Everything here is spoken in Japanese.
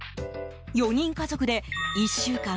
４人家族で１週間